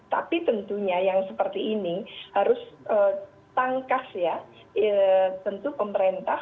tapi tentunya yang seperti ini harus tangkas ya tentu pemerintah